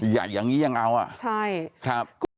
ใหญ่อย่างนี้ยังเอาอ่ะใช่ครับ